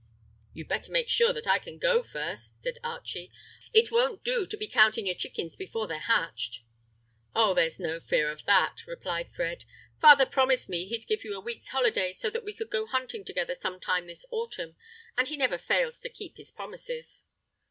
"You'd better make sure that I can go first," said Archie. "It won't do to be counting your chickens before they're hatched." "Oh, there's no fear of that," replied Fred. "Father promised me he'd give you a week's holiday so that we could go hunting together some time this autumn, and he never fails to keep his promises."